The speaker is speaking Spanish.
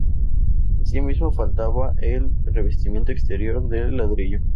Asimismo, faltaba el revestimiento exterior de ladrillo.